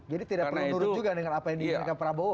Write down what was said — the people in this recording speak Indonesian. jadi tidak perlu menurut juga dengan apa yang diinginkan prabowo